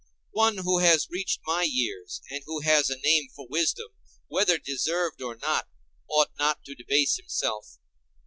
One who has reached my years, and who has a name for wisdom, whether deserved or not, ought not to debase himself.